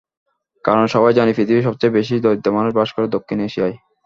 কারণ, সবাই জানি, পৃথিবীর সবচেয়ে বেশি দরিদ্র মানুষ বাস করে দক্ষিণ এশিয়ায়।